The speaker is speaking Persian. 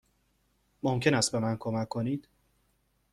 ممکن است به من کمک کنید؟